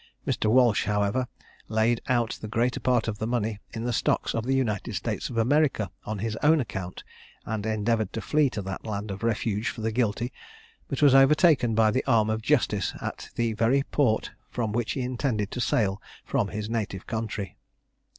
Mr. Walsh, however, laid out the greater part of the money in the stocks of the United States of America on his own account, and endeavoured to flee to that land of refuge for the guilty, but was overtaken by the arm of justice at the very port from which he intended to sail from his native country.